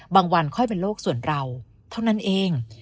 วันค่อยเป็นโลกส่วนเราเท่านั้นเอง